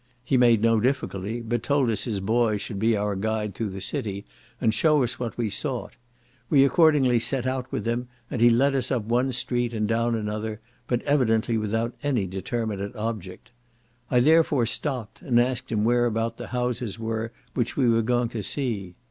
He made no difficulty, but told us his boy should be our guide through the city, and shew us what we sought; we accordingly set out with him, and he led us up one street, and down another, but evidently without any determinate object; I therefore stopped, and asked him whereabout the houses were which we were going to see.